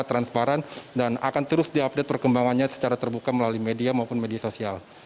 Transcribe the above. transparan dan akan terus diupdate perkembangannya secara terbuka melalui media maupun media sosial